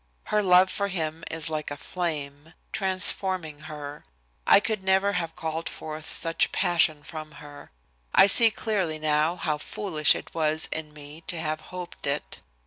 Her love for him is like a flame, transforming her. I could never have called forth such passion from her. I see clearly now how foolish it was in me to have hoped it.